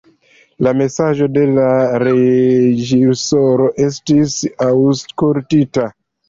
La mesaĝo de la reĝisoro estis aŭskultita.